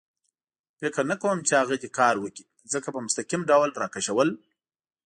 فکر نه کوم چې هغه دې کار وکړي، ځکه په مستقیم ډول را کشول.